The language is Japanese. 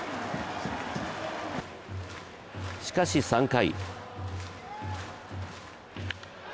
しかし、３回。